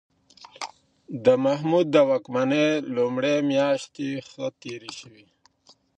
د محمود د واکمنۍ لومړۍ میاشتې ښه تېرې شوې.